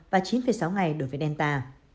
và chín sáu ngày đối với delta